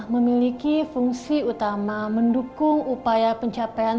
memiliki fungsi utama mendukung upaya pencapaian